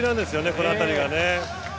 この辺りが。